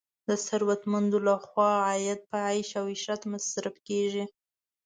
د ثروتمندو لخوا عاید په عیش او عشرت مصرف کیږي.